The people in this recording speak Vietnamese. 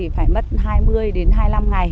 phải mất hai mươi đến hai mươi năm ngày